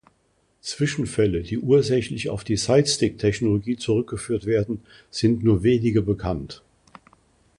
Zwischenfälle, die ursächlich auf die Sidestick-Technologie zurückgeführt werden, sind nur wenige bekannt.